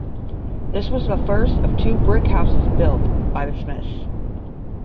This was the first of two brick houses built by the Smiths.